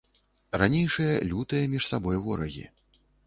Ранейшыя лютыя між сабой ворагі.